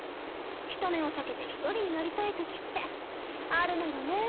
人目を避けて一人になりたい時ってあるのよね。